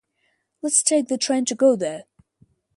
Let's take the train to go there.